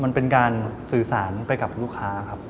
มันเป็นการสื่อสารไปกับลูกค้าครับ